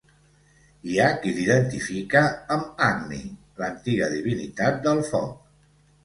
Hi ha qui l'identifica amb Agni, l'antiga divinitat del foc.